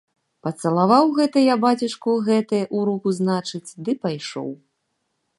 Пацалаваў гэта я бацюшку ў гэтае, у руку, значыць, ды пайшоў.